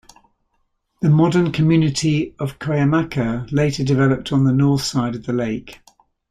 The modern community of Cuyamaca, later developed on the north side of the lake.